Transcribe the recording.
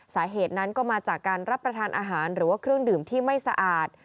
สาเหตุนั้นก็มาจากการรับประทานอาหารหรือว่าเครื่องดื่มที่ไม่สะอาด